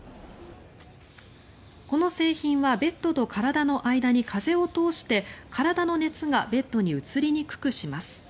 この製品はベッドと体の間に風を通して体の熱がベッドに移りにくくします。